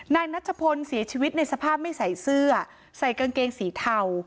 นัชพลเสียชีวิตในสภาพไม่ใส่เสื้อใส่กางเกงสีเทา